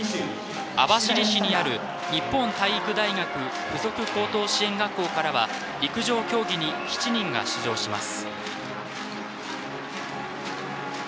網走市にある日本体育大学附属高等支援学校からは陸上競技に７人が出場します。